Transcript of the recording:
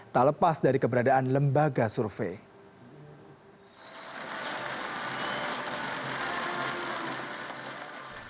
tak lepas dari keberadaan lembaga survei